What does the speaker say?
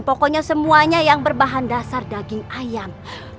pokoknya semuanya yang berbahan dasar daging ayam